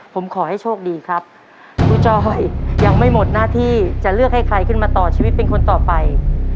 ผมขอให้โชคดีครับครูจ้อยยังไม่หมดหน้าที่จะเลือกให้ใครขึ้นมาต่อชีวิตเป็นคนต่อไป